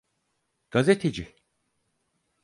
Gazeteci…